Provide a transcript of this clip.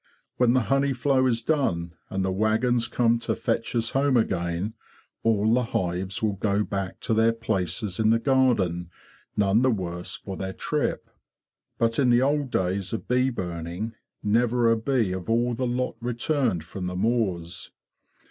When the honey flow is done, and the waggons come to fetch us home again, all the hives will go back to their places in the garden none the worse for their trip. But in the old days of bee burning never a bee of all the lot returned from the moors.